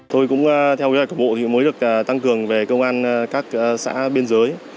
tôi cũng theo các bộ mới được tăng cường về công an các xã biên giới